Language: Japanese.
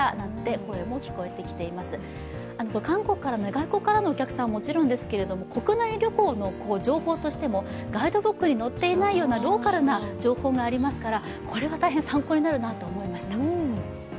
外国からのお客さんももちろんですけど国内旅行の情報としてもガイドブックに載っていないようなローカルな情報がありますからこれは大変参考になるなと思いました。